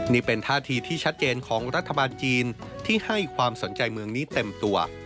นี่เป็นท่าทีที่ชัดเจนของรัฐบาลจีนที่ให้ความสนใจเมืองนี้เต็มตัว